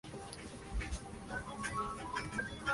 Natural de Aranda de Duero, pertenecía a una familia ilustre.